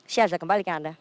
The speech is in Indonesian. syaza kembalikan anda